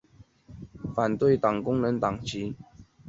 反对党工人党籍。